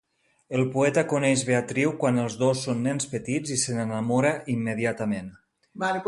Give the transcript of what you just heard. El poeta coneix Beatriu quan els dos són nens petits i se n'enamora immediatament.